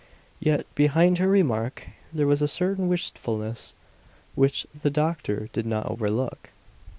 Yet, behind her remark there was a certain wistfulness which the doctor did not overlook.